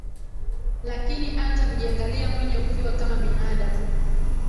Lakini anza kujiangalia mwenye ukiwa kama binaadamu